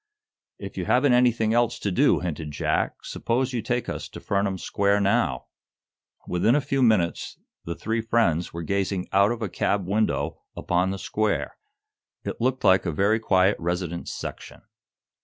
"If you haven't anything else to do," hinted Jack, "suppose you take us to Furnam Square now." Within a very few minutes the three friends were gazing out of a cab window upon the square. It looked like a very quiet residence section.